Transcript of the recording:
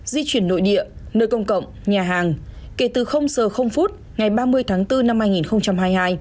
di chuyển nội địa nơi công cộng nhà hàng kể từ giờ phút ngày ba mươi tháng bốn năm hai nghìn hai mươi hai